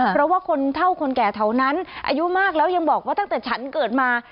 เพราะว่าคนเท่าคนแก่แถวนั้นอายุมากแล้วยังบอกว่าตั้งแต่ฉันเกิดมา